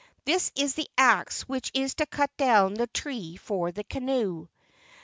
This is the axe which is to cut down the tree for the canoe."